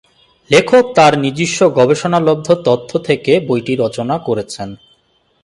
লেখক তার নিজস্ব গবেষণালব্ধ তথ্য থেকে বইটি রচনা করেছেন।